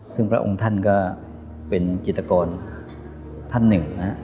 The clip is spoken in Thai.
ซึ่งพระองค์ท่านก็เป็นจิตกรท่านหนึ่งนะฮะ